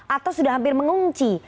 atau sudah hampir mengunci